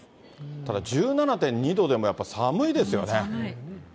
ただ、１７．２度でも寒いですよね。